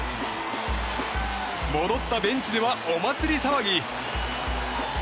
戻ったベンチではお祭り騒ぎ。